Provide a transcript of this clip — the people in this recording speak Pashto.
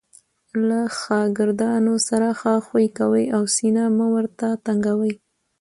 له ښاګردانو سره ښه خوي کوئ! او سینه مه ور ته تنګوئ!